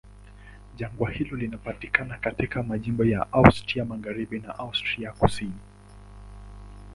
Jangwa hilo linapatikana katika majimbo ya Australia Magharibi na Australia Kusini.